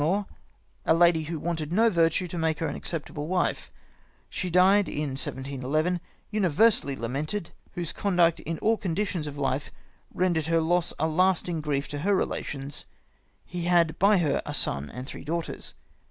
33 more, a Lady who wanted no Vertue to make her an accep table Wife; she dyed in 1711, universally lamented, whose Conduct in all Conditions of Life render'd her Loss a lasting Grief to her Relations, he had by her a Son and three Daughters.